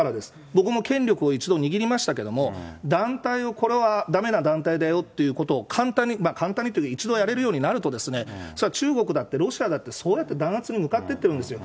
僕も権力を一度握りましたけれども、団体を、これはだめな団体だよって、簡単に、簡単にっていうか、一度やれるようになると、それは中国だって、ロシアだって、そうやって弾圧に向かっていってるんですよ。